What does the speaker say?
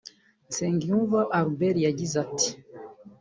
Nsengiyumva Albert yagize ati